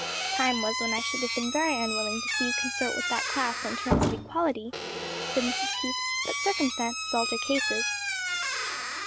"Time was when I should have been very unwilling to see you consort with that class on terms of equality," said Mrs. Keith, "but circumstances alter cases."